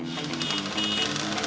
maaf mas silahkan melanjutkan perjalanan